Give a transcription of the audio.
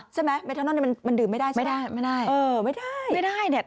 ใช่ไหมเมทานอนมันดื่มไม่ได้ใช่ไหมไม่ได้ไม่ได้ไม่ได้เนี่ย